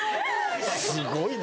すごいな。